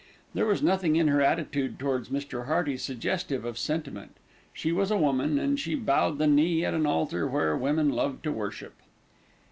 There was nothing in her attitude towards Mr. Hearty suggestive of sentiment. She was a woman, and she bowed the knee at an altar where women love to worship.